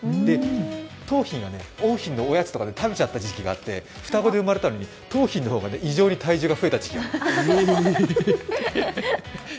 桃浜が桜浜のおやつとか食べちゃう時期があって、双子で生まれたのに桃浜の方が異常に体重が増えた時期がある。